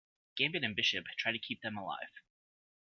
Gambit and Bishop try to keep them alive.